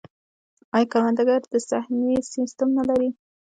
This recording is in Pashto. آیا کروندګر د سهمیې سیستم نلري؟